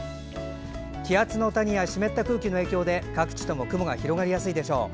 気圧の谷や湿った空気の影響で各地とも雲が広がりやすいでしょう。